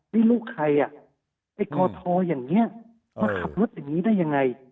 นี่ลูกใครอ่ะไอ้กอทออย่างนี้มาขับรถอย่างนี้ได้ยังไง